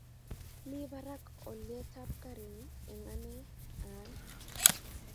Mi barak olyetab garini eng ane aal